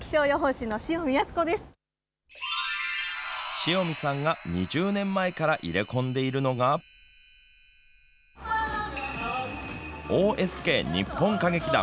塩見さんが２０年前から入れ込んでいるのがＯＳＫ日本歌劇団。